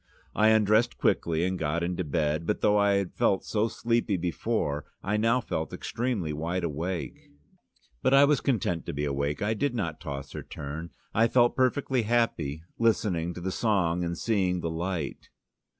I undressed quickly, and got into bed, but though I had felt so sleepy before, I now felt extremely wide awake. But I was quite content to be awake: I did not toss or turn, I felt perfectly happy listening to the song and seeing the light.